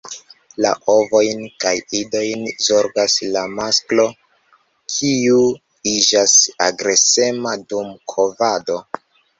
La ovojn kaj idojn zorgas la masklo, kiu iĝas agresema dum kovado.